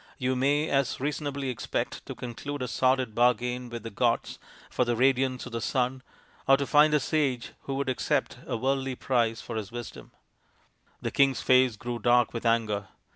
" You may as reasonably expect to conclude a sordid bargain with the gods for the radiance of the sun, or to find a sage who would accept a worldly price for his wisdom." The king's face grew dark with anger.